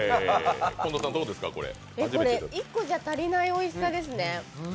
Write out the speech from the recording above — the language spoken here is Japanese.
１個じゃ足りないおいしさですね。